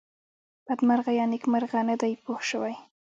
بدمرغه یا نېکمرغه نه دی پوه شوې!.